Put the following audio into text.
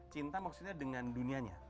cinta maksudnya dengan dunianya